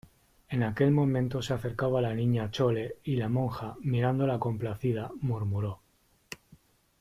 en aquel momento se acercaba la Niña Chole, y la monja , mirándola complacida , murmuró: